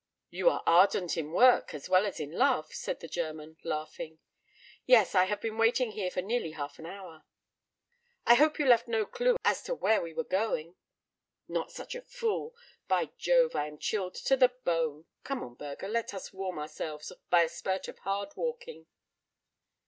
"You are ardent in work as well as in love!" said the German, laughing. "Yes; I have been waiting here for nearly half an hour." "I hope you left no clue as to where we were going." "Not such a fool! By Jove, I am chilled to the bone! Come on, Burger, let us warm ourselves by a spurt of hard walking."